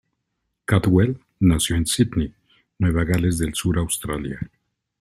Caldwell nació en Sídney, Nueva Gales del Sur, Australia.